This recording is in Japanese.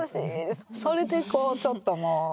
それでこうちょっともう。